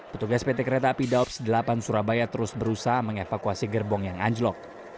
petugas pt kereta api daops delapan surabaya terus berusaha mengevakuasi gerbong yang anjlok